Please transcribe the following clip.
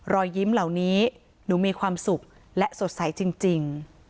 รอยยิ้มเหล่านี้หนูมีความสุขและสดใสจริง